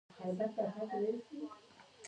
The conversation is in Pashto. د موضوع مقدماتي درک ته ورنژدې شو.